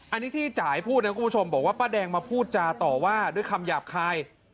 อันนี้ที่จ่ายพูดนะคุณผู้ชมบอกว่าป้าแดงมาพูดจาต่อว่าด้วยคำหยาบคาย